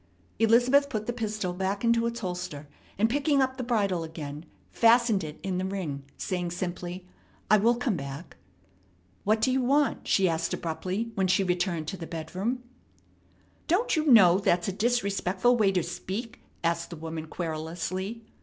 Elizabeth put the pistol back into its holster and, picking up the bridle again, fastened it in the ring, saying simply, "I will come back." "What do you want?" she asked abruptly when she returned to the bedroom. "Don't you know that's a disrespectful way to speak?" asked the woman querulously.